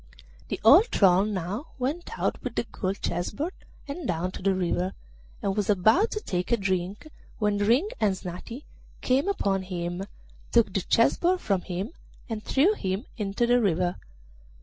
The old troll now went out with the gold chess board, and down to the river, and was about to take a drink, when Ring and Snati came upon him, took the chess board from him, and threw him into the river.